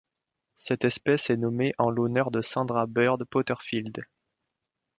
Cette espèce est nommée en l'honneur de Sandra Bird Porterfield.